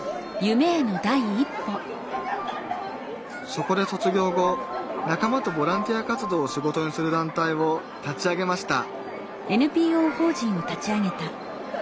そこで卒業後仲間とボランティア活動を仕事にする団体を立ち上げました